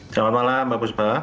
selamat malam mbak busbah